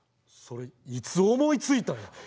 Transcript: それいつ思いついたんや？